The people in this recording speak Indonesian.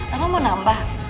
emang mau nambah